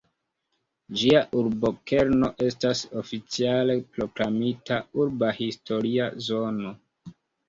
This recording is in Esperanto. Ĝia urbokerno estas oficiale proklamita "Urba historia zono".